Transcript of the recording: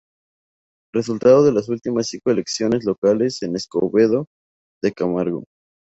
Resultados de las ultimas cinco elecciones locales en Escobedo de Camargo